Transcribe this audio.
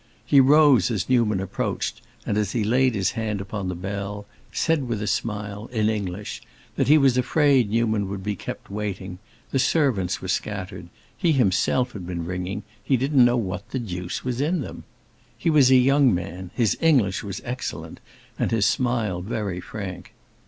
He rose as Newman approached, and, as he laid his hand upon the bell, said with a smile, in English, that he was afraid Newman would be kept waiting; the servants were scattered, he himself had been ringing, he didn't know what the deuce was in them. He was a young man, his English was excellent, and his smile very frank.